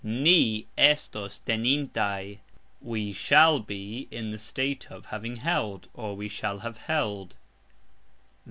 Ni estos tenintaj ........... We shall be (in the state of) having held, or, we shall have held.